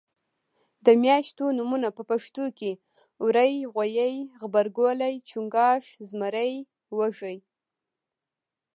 د میاشتو نومونه په پښتو کې وری غویي غبرګولی چنګاښ زمری وږی